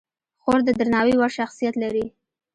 خور د درناوي وړ شخصیت لري.